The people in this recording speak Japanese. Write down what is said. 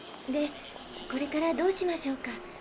これからどうしましょうか？